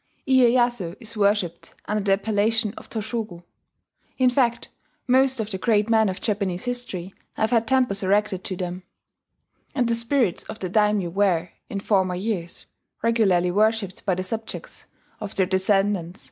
Iyeyasu is worshipped under the appellation of Toshogu. In fact most of the great men of Japanese history have had temples erected to them; and the spirits of the daimyo were, in former years, regularly worshipped by the subjects of their descendants and successors.